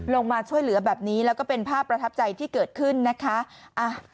ลงมาช่วยเหลือแบบนี้แล้วก็เป็นภาพประทับใจที่เกิดขึ้นนะคะ